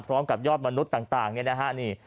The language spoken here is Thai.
พร้อมกับยอดมนุษย์ต่างเนี่ยนะฮะนี่